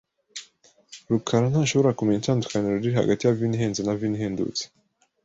rukarantashobora kumenya itandukaniro riri hagati ya vino ihenze na vino ihendutse.